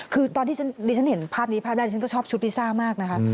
คือตอนที่ดิฉันเห็นภาพนี้ภาพแรกฉันก็ชอบชุดลิซ่ามากนะคะ